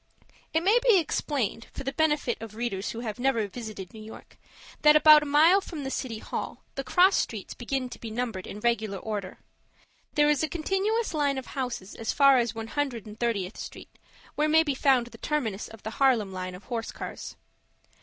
It may be explained, for the benefit of readers who have never visited New York, that about a mile from the City Hall the cross streets begin to be numbered in regular order. There is a continuous line of houses as far as One Hundred and Thirtieth Street, where may be found the terminus of the Harlem line of horse cars.